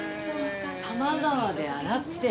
多摩川で洗って。